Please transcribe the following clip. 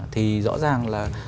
thì rõ ràng là